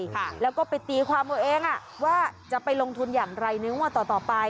ค่ะแล้วก็ไปตีความเอาเองอ่ะว่าจะไปลงทุนอย่างไรในงวดต่อต่อไป